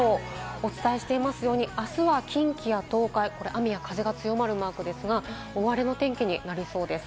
お伝えしていますように、あすは近畿や東海、雨や風が強まるマークですが、大荒れの天気になりそうです。